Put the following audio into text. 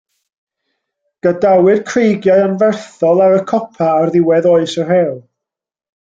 Gadawyd creigiau anferthol ar y copa ar ddiwedd Oes y Rhew.